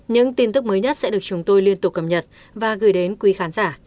những tin tức mới nhất sẽ được chúng tôi liên tục cập nhật và gửi đến quý khán giả